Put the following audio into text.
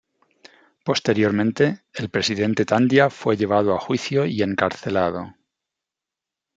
Posteriormente, el presidente Tandja fue llevado a juicio y encarcelado.